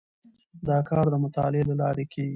دا کار د مطالعې له لارې کیږي.